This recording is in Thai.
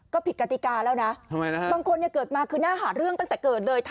ก็ผิดกติกาแล้วนะบางคนเกิดมาคือน่าหาเรื่องตั้งแต่เกิดเลย